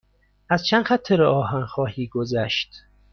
از چند خط راه آهن خواهی گذشت.